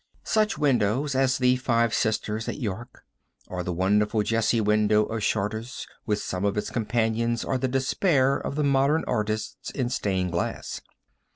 Such windows as the Five Sisters at York, or the wonderful Jesse window of Chartres with some of its companions, are the despair of the modern artists in stained glass.